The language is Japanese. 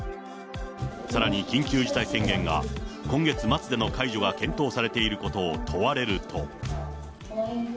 さらに緊急事態宣言が今月末での解除が検討されていることを問われると。